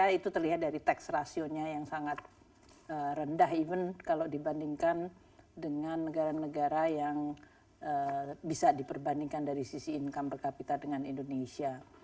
karena itu terlihat dari tax ratio nya yang sangat rendah even kalau dibandingkan dengan negara negara yang bisa diperbandingkan dari sisi income per capita dengan indonesia